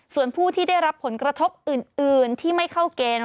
ส่วนผู้ที่ได้รับผลกระทบอื่นที่ไม่เข้าเกณฑ์